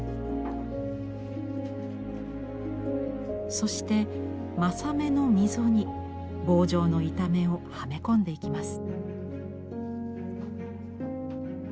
そして柾目の溝に棒状の板目をはめ込んでいきます。